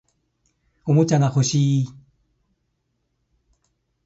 おもちゃが欲しい